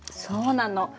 そうなの。